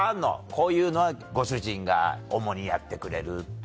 こういうのはご主人が主にやってくれるとか。